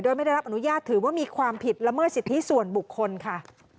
โดยไม่ได้รับอนุญาตถือว่ามีความผิดละเมิดสิทธิส่วนบุคคลค่ะ